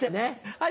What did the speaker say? はい。